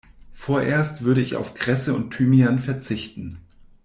Vorerst würde ich auf Kresse und Thymian verzichten.